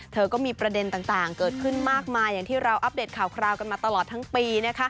ก็มีประเด็นต่างเกิดขึ้นมากมายอย่างที่เราอัปเดตข่าวคราวกันมาตลอดทั้งปี